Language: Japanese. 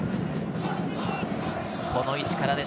この位置からです。